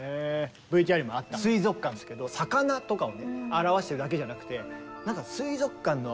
ＶＴＲにもあった「水族館」ですけど魚とかをね表しているだけじゃなくてなんか水族館のちょっと暗くて。